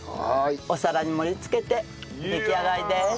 お皿に盛り付けて出来上がりです。